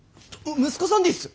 息子さんでいいっす！